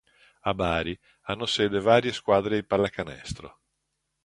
A Bari hanno sede varie squadre di pallacanestro.